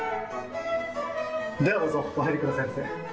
ではどうぞお入りくださいませ。